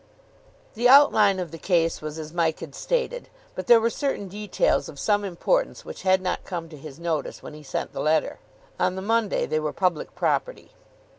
The outline of the case was as Mike had stated. But there were certain details of some importance which had not come to his notice when he sent the letter. On the Monday they were public property.